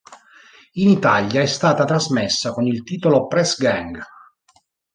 In Italia è stata trasmessa con il titolo "Press Gang".